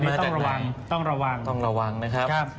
ก็ต้องระวังต้องระวังต้องระวังนะครับ